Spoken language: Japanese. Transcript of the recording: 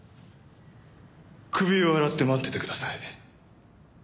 首を洗って待っててください。